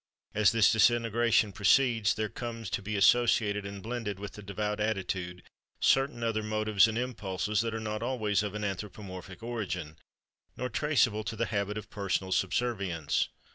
As this disintegration proceeds, there come to be associated and blended with the devout attitude certain other motives and impulses that are not always of an anthropomorphic origin, nor traceable to the habit of personal subservience.